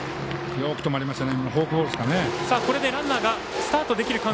よく止まりましたね。